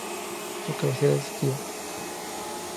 Su cabecera es Iba.